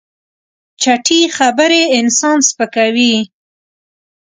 چټي خبرې انسان سپکوي.